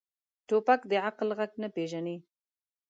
توپک د عقل غږ نه پېژني.